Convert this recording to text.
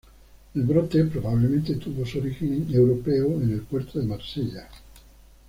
El brote probablemente tuvo su origen europeo en el puerto de Marsella.